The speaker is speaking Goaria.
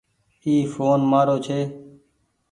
اي ڦون مآرو ڇي۔